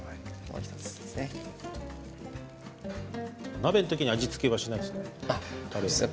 食べる時に味付けはしないんですか。